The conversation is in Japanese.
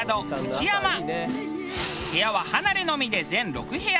部屋は離れのみで全６部屋。